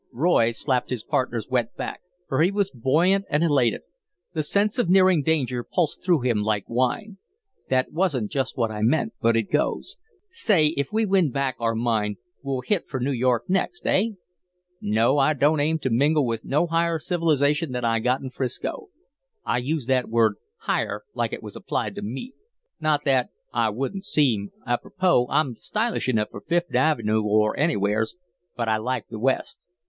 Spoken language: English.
Roy slapped his partner's wet back, for he was buoyant and elated. The sense of nearing danger pulsed through him like wine. "That wasn't just what I meant, but it goes. Say, if we win back our mine, we'll hit for New York next eh?" "No, I don't aim to mingle with no higher civilization than I got in 'Frisco. I use that word 'higher' like it was applied to meat. Not that I wouldn't seem apropos, I'm stylish enough for Fifth Avenue or anywheres, but I like the West.